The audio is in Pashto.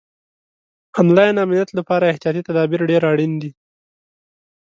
آنلاین امنیت لپاره احتیاطي تدابیر ډېر اړین دي.